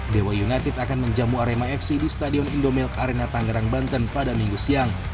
dewa united akan menjamu arema fc di stadion indomilk arena tangerang banten pada minggu siang